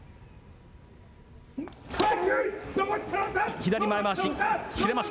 左前まわし。